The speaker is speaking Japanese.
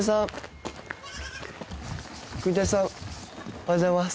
おはようございます。